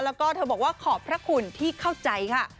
แล้วก็เธอบอกว่าขอบพระคุณที่เข้าใจค่ะ